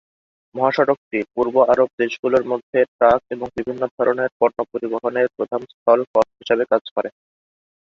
মহাসড়কটি পূর্ব আরব দেশগুলোর মধ্যে ট্রাক এবং বিভিন্ন ধরণের পণ্য পরিবহনের প্রধান স্থল পথ হিসেবে কাজ করে।